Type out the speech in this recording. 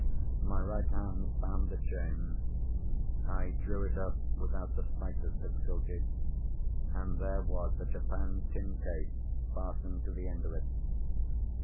My right hand found the chain. I drew it up without the slightest difficulty. And there was the japanned tin case fastened to the end of it.